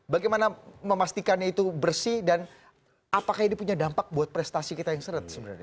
bagaimana memastikannya itu bersih dan apakah ini punya dampak buat prestasi kita yang seret sebenarnya